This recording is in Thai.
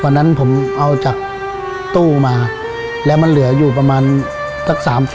วันนั้นผมเอาจากตู้มาแล้วมันเหลืออยู่ประมาณสัก๓๐